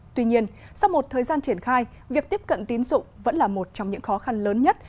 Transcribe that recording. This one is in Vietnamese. tuy nhiên sau một thời gian triển khai việc tiếp cận tín dụng vẫn là một trong những khó khăn lớn nhất